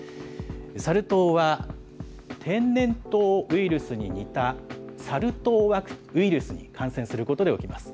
サル痘は、天然痘ウイルスに似たサル痘ウイルスに感染することで起きます。